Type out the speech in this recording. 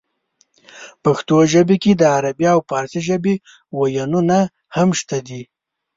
پښتو ژبې کې د عربۍ او پارسۍ ژبې وييونه هم شته دي